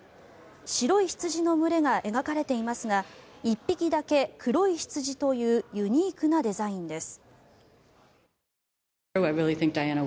白い羊の群れが描かれていますが１匹だけ黒い羊というユニークなデザインです。